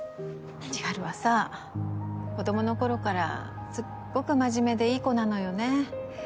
千晴はさ子供の頃からすっごく真面目でいい子なのよね。